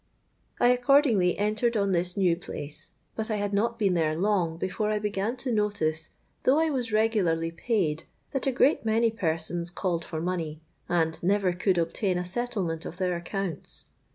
I accordingly entered on this new place; but I had not been there long, before I began to notice, though I was regularly paid, that a great many persons called for money, and never could obtain a settlement of their accounts.